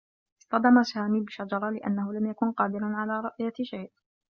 اصطدم سامي بشجرة لأنّه لم يكن قادرا على رؤية شيء.